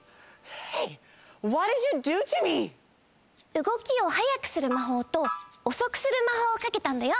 うごきをはやくするまほうとおそくするまほうをかけたんだよ。